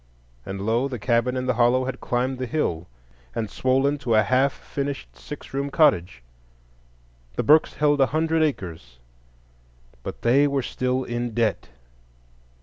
And lo! the cabin in the hollow had climbed the hill and swollen to a half finished six room cottage. The Burkes held a hundred acres, but they were still in debt.